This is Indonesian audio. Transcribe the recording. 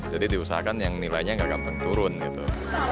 jadi diusahakan yang nilainya gak gampang turun gitu